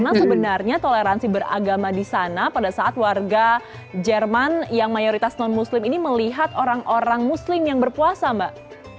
memang sebenarnya toleransi beragama di sana pada saat warga jerman yang mayoritas non muslim ini melihat orang orang muslim yang berpuasa mbak